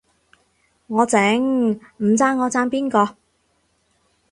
我整，唔讚我讚邊個